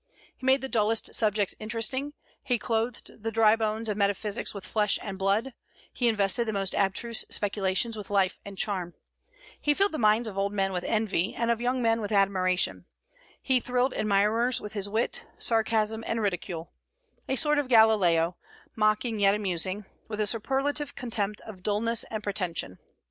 He made the dullest subjects interesting; he clothed the dry bones of metaphysics with flesh and blood; he invested the most abstruse speculations with life and charm; he filled the minds of old men with envy, and of young men with admiration; he thrilled admirers with his wit, sarcasm, and ridicule, a sort of Galileo, mocking yet amusing, with a superlative contempt of dulness and pretension.